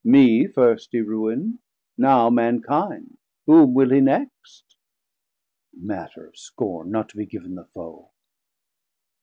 Mee first He ruind, now Mankind; whom will he next? 950 Matter of scorne, not to be given the Foe.